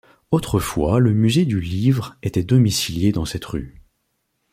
Autrefois le Musée du Livre était domicilié dans cette rue.